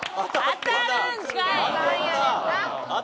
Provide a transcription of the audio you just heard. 当たるんかい！